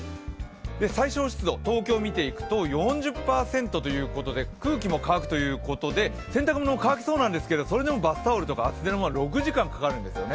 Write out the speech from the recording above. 最小湿度、東京を見ていくと４０％ということで、空気も乾くということで洗濯物の乾きそうなんですけどそれでもバスタオルとか厚手のものは６時間かかるんですよね。